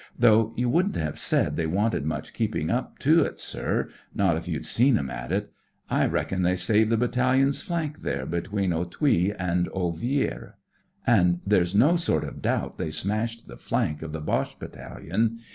Though you wouldn't have said they wanted much keeping up to it, sir ; not if you'd seen 'em at it. I reckon they saved the Battalion's flank there between Authille an' Ovillers ; an' there's no sort of doubt they smashed the flank of the Boche battaUon.